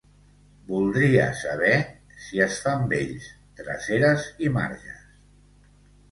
Voldria saber si es fan vells dreceres i marges.